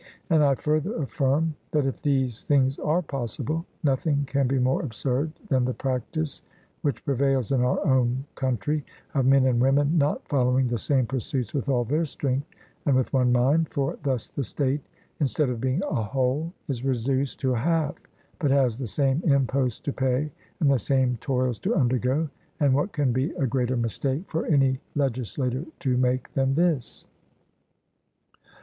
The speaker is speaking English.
And I further affirm, that if these things are possible, nothing can be more absurd than the practice which prevails in our own country, of men and women not following the same pursuits with all their strength and with one mind, for thus the state, instead of being a whole, is reduced to a half, but has the same imposts to pay and the same toils to undergo; and what can be a greater mistake for any legislator to make than this?